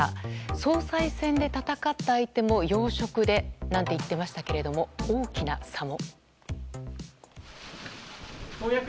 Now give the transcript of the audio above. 総裁選で戦った相手も要職でなんて言ってましたけども大きな差も。